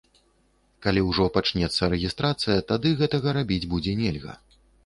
Калі ўжо пачнецца рэгістрацыя, тады гэтага рабіць будзе нельга.